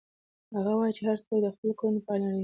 هغه وایي چې هر څوک د خپلو کړنو پایله رېبي.